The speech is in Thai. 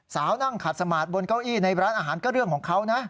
นั่งขัดสมาร์ทบนเก้าอี้ในร้านอาหารก็เรื่องของเขานะ